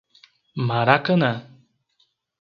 Maracanã